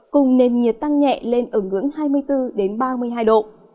cùng nền nhiệt tăng nhẹ lên ở ngưỡng hai mươi bốn ba mươi hai độ